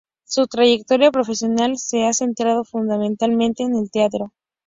Su trayectoria profesional se ha centrado fundamentalmente en el teatro.